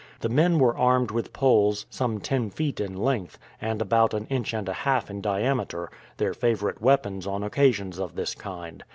The men were armed with poles some ten feet in length, and about an inch and a half in diameter, their favorite weapons on occasions of this kind.